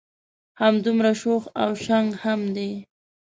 همدمره شوخ او شنګ هم دی.